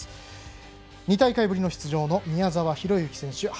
２大会ぶりの出場の宮沢大志選手